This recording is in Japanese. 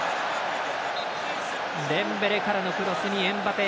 デンベレからのクロスにエムバペ。